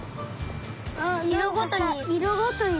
あっいろごとに。